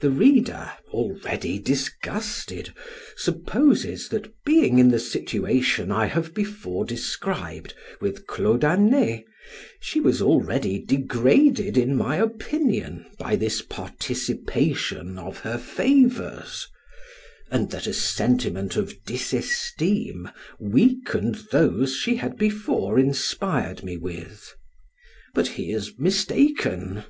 The reader (already disgusted) supposes, that being in the situation I have before described with Claude Anet, she was already degraded in my opinion by this participation of her favors, and that a sentiment of disesteem weakened those she had before inspired me with; but he is mistaken.